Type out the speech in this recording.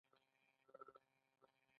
دا هنر له استاد څخه شاګرد ته لیږدید.